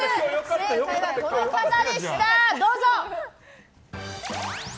正解はこの方でした、どうぞ！